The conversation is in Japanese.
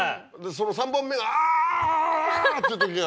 その３本目があ！って時が。